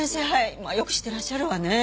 まあよく知ってらっしゃるわね。